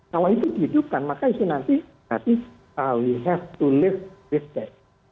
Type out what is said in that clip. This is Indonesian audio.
kalau itu dihidupkan maka itu nanti nanti we have to live this day